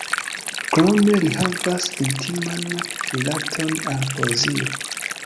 Krome li havas intiman rilaton al poezio.